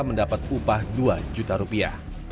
mendapat upah dua juta rupiah